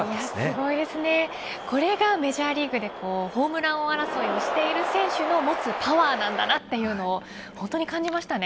すごいですねこれがメジャーリーグでホームラン王争いをしている選手のパワーなんだなと本当に感じましたね。